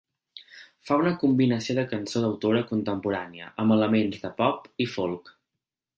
Fa una combinació de cançó d’autora contemporània amb elements de pop i folk.